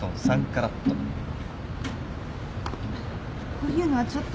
こういうのはちょっと。